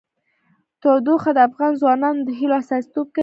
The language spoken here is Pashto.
تودوخه د افغان ځوانانو د هیلو استازیتوب کوي.